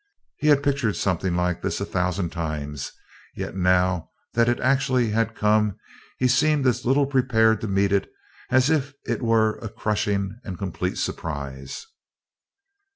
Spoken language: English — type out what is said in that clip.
He had pictured something like this a thousand times, yet now that it actually had come he seemed as little prepared to meet it as if it were a crushing and complete surprise.